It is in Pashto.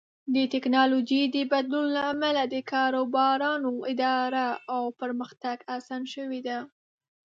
د ټکنالوژۍ د بدلون له امله د کاروبارونو اداره او پرمختګ اسان شوی دی.